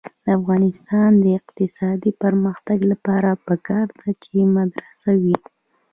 د افغانستان د اقتصادي پرمختګ لپاره پکار ده چې مدرسه وي.